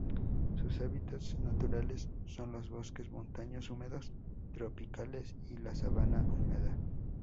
Sus hábitats naturales son los bosques montanos húmedos tropicales y la sabana húmeda.